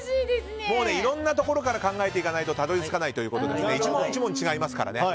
いろんなところから考えていかないとたどりつかないということで１問１問違いますからね。